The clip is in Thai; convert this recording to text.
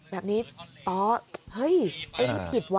แบบนี้ต้อเฮ้ยอะไรผิดวะ